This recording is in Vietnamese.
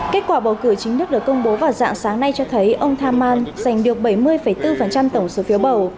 kết quả bầu cử chính thức được công bố vào dạng sáng nay cho thấy ông thamman giành được bảy mươi bốn tổng số phiếu bầu